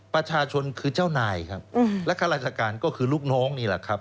ประชาชนคือเจ้านายครับและข้าราชการก็คือลูกน้องนี่แหละครับ